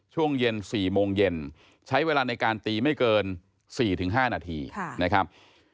ช่วงเย็น๔โมงเย็นใช้เวลาในการตีไม่เกิน๔๕นาทีนะครับ